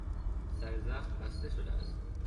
سر زخم بسته شده است.